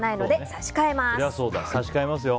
差し替えますよ。